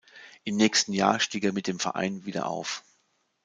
Im nächsten Jahr stieg er mit dem Verein wieder auf.